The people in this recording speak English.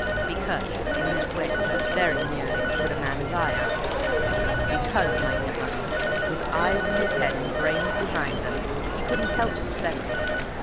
"Because, in his way he's very nearly as good a man as I am; because, my dear Bunny, with eyes in his head and brains behind them, he couldn't help suspecting.